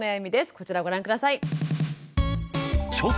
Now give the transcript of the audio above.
こちらをご覧下さい。